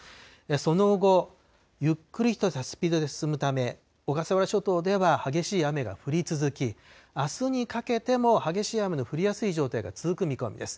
その後、ゆっくりとしたスピードで進むため、小笠原諸島では激しい雨が降り続き、あすにかけても激しい雨の降りやすい状態が続く見込みです。